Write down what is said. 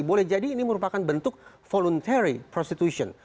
boleh jadi ini merupakan bentuk voluntary prostitution